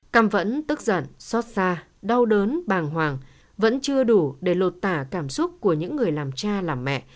căm vẫn tức giận xót xa đau đớn bàng hoàng vẫn chưa đủ để lột tả cảm xúc của những người làm cha làm mẹ